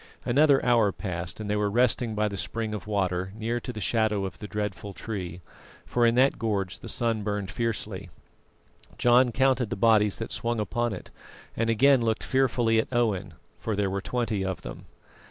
Another hour passed, and they were resting by the spring of water, near to the shadow of the dreadful tree, for in that gorge the sun burned fiercely. John counted the bodies that swung upon it, and again looked fearfully at Owen, for there were twenty of them.